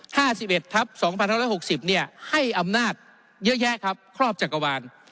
๕๑ทัพ๒๖๖๐ให้อำนาจเยอะแยะครับครอบจักรวาล